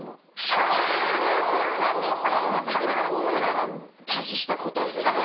あそうなんですか？